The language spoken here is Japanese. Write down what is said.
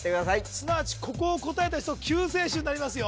すなわちここを答えた人は救世主になりますよ